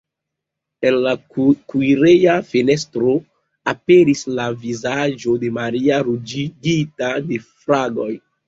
En la kuireja fenestro aperis la vizaĝo de Maria, ruĝigita de fragoj.